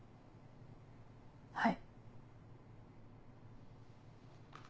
はい。